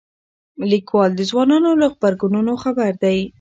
لیکوال د ځوانانو له غبرګونونو خبر دی.